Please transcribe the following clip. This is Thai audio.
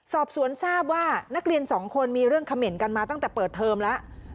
สอบสวนทราบว่านักเรียนสองคนมีเรื่องเขม่นกันมาตั้งแต่เปิดเทอมแล้ว